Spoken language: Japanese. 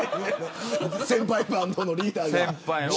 先輩バンドのリーダーが。